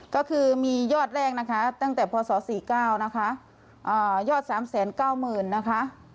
ก็คือมียอดแรกตั้งแต่พศ๔๙ยอด๓๙๐๐๐๐บาท